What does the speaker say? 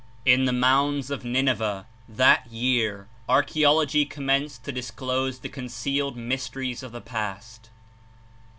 In the mounds of Nineveh, that year, archaeology commenced to disclose the concealed mysteries of the past.